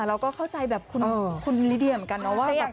เราก็เข้าใจแบบคุณคุณหลีเดียเหมือนกันเนอะว่าแมท